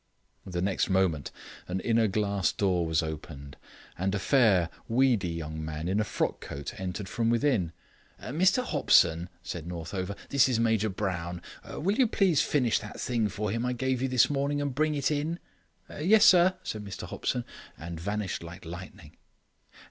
The next moment an inner glass door was opened, and a fair, weedy, young man, in a frock coat, entered from within. "Mr Hopson," said Northover, "this is Major Brown. Will you please finish that thing for him I gave you this morning and bring it in?" "Yes, sir," said Mr Hopson, and vanished like lightning.